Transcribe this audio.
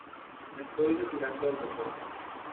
Me estoy retirando del deporte.